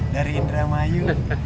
dari indra mayu